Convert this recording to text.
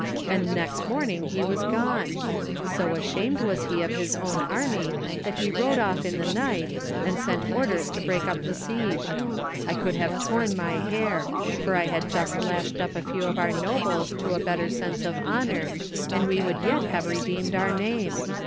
And next morning he was gone! So ashamed was he of his own army that he rode off in the night, and sent orders to break up the siege. I could have torn my hair, for I had just lashed up a few of our nobles to a better sense of honour, and we would yet have redeemed our name!